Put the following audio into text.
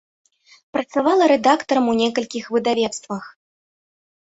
Працавала рэдактарам у некалькіх выдавецтвах.